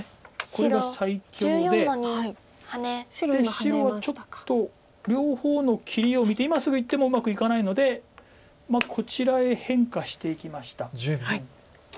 白はちょっと両方の切りを見て今すぐいってもうまくいかないのでこちらへ変化していきました。